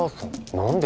何で？